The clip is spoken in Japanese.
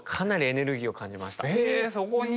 えそこに？